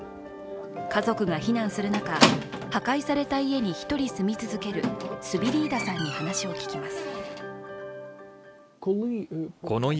家族が避難する中破壊された家に一人住み続けるスビリーダさんに話を聞きます。